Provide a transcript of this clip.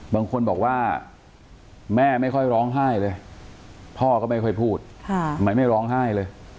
บางคนบอกว่าแม่ไม่ค่อยร้องไห้เลยพ่อก็ไม่ค่อยพูดไม่ร้องไห้เลย